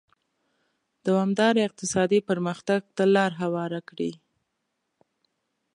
دوامداره اقتصادي پرمختګ ته لار هواره کړي.